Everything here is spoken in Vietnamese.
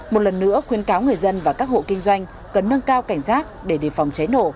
một lần nữa khuyên cáo người dân và các hộ kinh doanh cần nâng cao cảnh giác để đề phòng cháy nổ